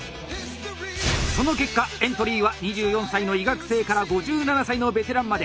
その結果エントリーは２４歳の医学生から５７歳のベテランまで！